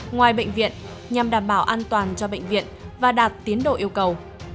ngoài bệnh viện nhằm đảm bảo an toàn cho bệnh viện và đạt tiến độ yêu cầu